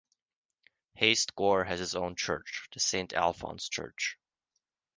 Heist-Goor has its own church, the Saint Alfons church.